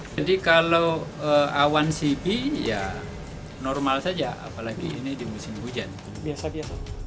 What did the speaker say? jadi kalau awan cp ya normal saja apalagi ini di musim hujan